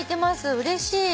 うれしい。